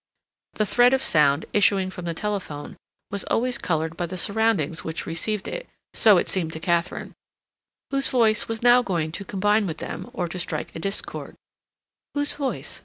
The thread of sound, issuing from the telephone, was always colored by the surroundings which received it, so it seemed to Katharine. Whose voice was now going to combine with them, or to strike a discord? "Whose voice?"